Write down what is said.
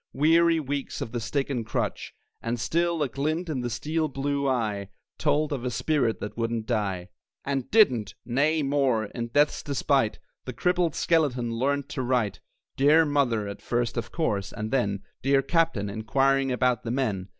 Weary weeks of the stick and crutch; And still a glint in the steel blue eye Told of a spirit that wouldn't die. And didn't. Nay, more! in death's despite The crippled skeleton learned to write. "Dear Mother," at first of course; and then "Dear Captain," inquiring about "the men."